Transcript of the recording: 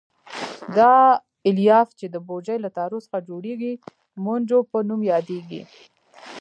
دا الیاف چې د بوجۍ له تارو څخه جوړېږي مونجو په نوم یادیږي.